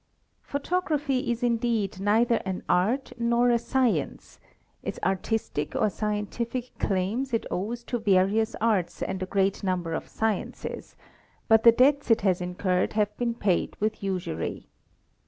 Photography is indeed neither an art nor a science; its artistic or Cientific claims it owes to various arts and a great number of sciences ; t the debts it has incurred have been paid with usury.